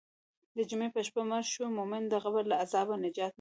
د جمعې په شپه مړ شوی مؤمن د قبر له عذابه نجات مومي.